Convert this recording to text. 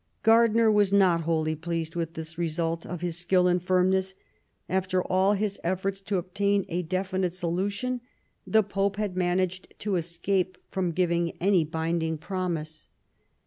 Gardiner was not wholly pleased with this result of his skill and firmness : after all his efforts to obtain a definite solution the Pope had managed to escape from giving any binding promise.